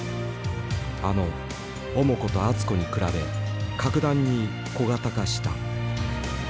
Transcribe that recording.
あの「重子」と「熱子」に比べ格段に小型化した。